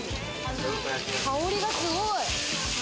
香りがすごい。